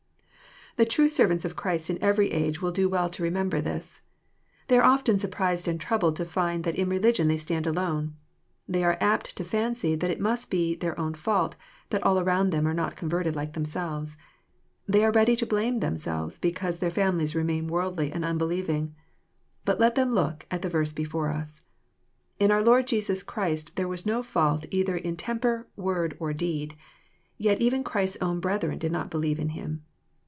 The true servants of Christ in every age will do well to remember this. They are oftoji surprised and troubled to find that in religion they stand alone. They are apt to fancy that it must be their own fault that all around them are not converted like themselves. (jThey are ready to blame themselves because their families remain worldly and unbelieving. But let them look at the verse before us. In our Lord Jesus Christ there was no fault either in tem per, word, or deed. Yet even Christ's own " brethren did not believe in Him."